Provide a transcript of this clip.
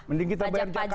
mending kita bayar pajak aja